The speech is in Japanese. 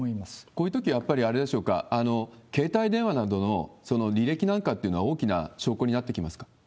こういうとき、やっぱりあれでしょうか、携帯電話などの履歴なんかというのは大きな証拠になってきますか？